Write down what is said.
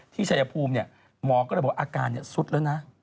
ชายภูมิหมอก็เลยบอกอาการสุดแล้วนะ